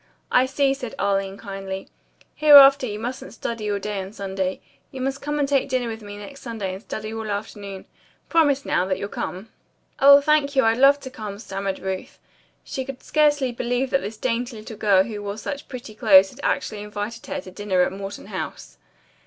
"I see," said Arline kindly. "Hereafter you mustn't study all day on Sunday. You must come and take dinner with me next Sunday and stay all afternoon. Promise, now, that you'll come." "Oh, thank you. I'd love to come," stammered Ruth. She could scarcely believe that this dainty little girl who wore such pretty clothes had actually invited her to dinner at Morton House.